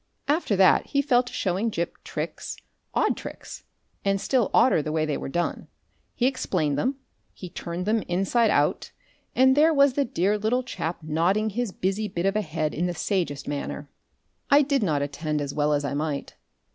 After that he fell to showing Gip tricks, odd tricks, and still odder the way they were done. He explained them, he turned them inside out, and there was the dear little chap nodding his busy bit of a head in the sagest manner. I did not attend as well as I might.